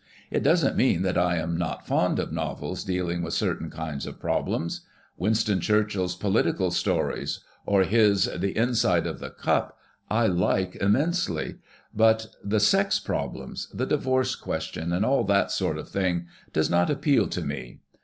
It doesn't mean that I am not fond of novels dealing witli certain kinds of problems. Winston Churchill's political stories, or his 'The Inside of the Cup,' I like immensely; but the sex problem — ^the divorce question, and all that sort of thing — does not appeal to me.